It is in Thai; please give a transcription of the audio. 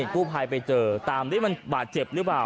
กู้ภัยไปเจอตามที่มันบาดเจ็บหรือเปล่า